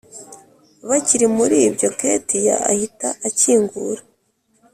bakiri muribyo ketiya ahita akingura...